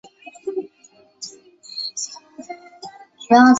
加的斯的巴尔布斯。